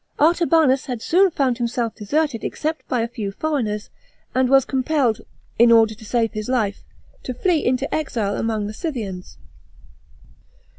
Artabanus had soon found himself deserted except by a few foreigners, and was compelled, in order to save his life, to flee into exile among the Scythians.